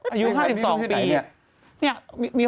อายุ๕๒ปี